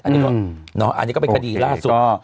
อันนี้ก็เป็นคดีล่าสุด